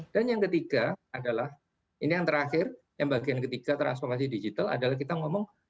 dan yang ketiga adalah ini yang terakhir yang bagian ketiga transformasi digital adalah kita ngomong